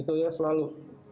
itu ya selalu